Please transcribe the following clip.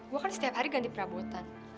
gue kan setiap hari ganti perabotan